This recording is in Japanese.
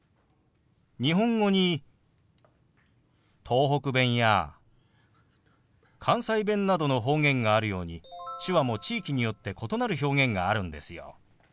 日本語に東北弁や関西弁などの方言があるように手話も地域によって異なる表現があるんですよ。